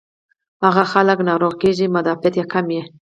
هاغه خلک ناروغه کيږي چې مدافعت ئې کم وي